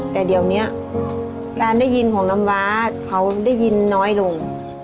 แต่เดี๋ยวนี้การได้ยินของน้ำว้าเขาได้ยินน้อยลง